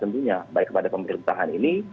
tentunya baik kepada pemerintahan ini